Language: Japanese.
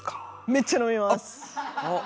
めっちゃ飲みます！あっ。